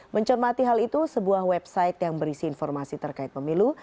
mencermati hal itu sebuah website yang berisi informasi terkait pemilu